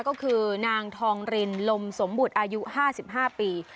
ก็คือนางทองรินลมสมบุติอายุห้าสิบห้าปี